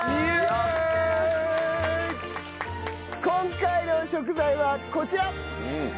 今回の食材はこちら！